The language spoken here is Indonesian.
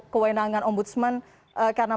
kewenangan om budsman karena